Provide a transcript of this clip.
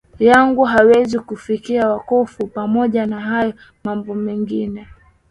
yangu hawezi kufikia wokovu Pamoja na hayo mambo mengi